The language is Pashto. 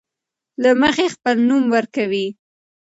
له مخې خپل نوم ورکوي.